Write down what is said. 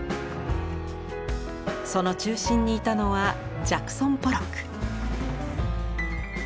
その中心にいたのはジャクソン・ポロック。